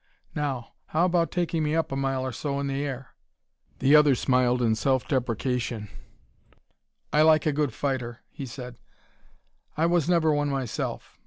Now, how about taking me up a mile or so in the air?" The other smiled in self deprecation. "I like a good fighter," he said; "I was never one myself.